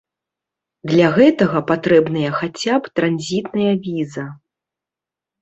Для гэтага патрэбная хаця б транзітная віза.